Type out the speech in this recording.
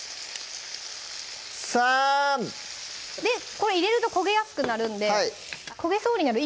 これ入れると焦げやすくなるんで焦げそうになる